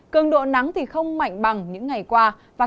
cường độ nắng không mạnh bằng những ngày qua